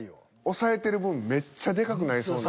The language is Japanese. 抑えてる分めっちゃでかくなりそうな。